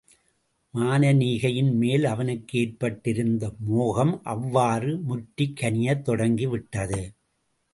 மானனீகையின் மேல் அவனுக்கு ஏற்பட்டிருந்த மோகம், அவ்வாறு முற்றிக் கனியத் தொடங்கிவிட்டது.